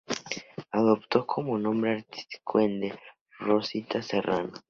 Adoptó como nombre artístico el de Rosita Serrano.